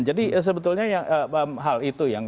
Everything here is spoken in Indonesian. jadi sebetulnya hal itu